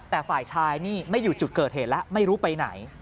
แต่ฝ่ายชายนี่ไม่อยู่จุดเกิดเหตุแล้วไม่รู้ไปไหน